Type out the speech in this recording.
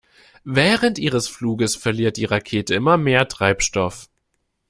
Während ihres Fluges verliert die Rakete immer mehr Treibstoff.